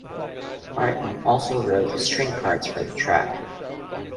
Martin also wrote the string parts for the track.